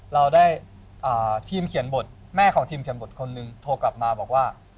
เราได้ทีมเขียนบทแม่ของทีมเขียนบทคนหนึ่งโทรกลับมาบอกว่า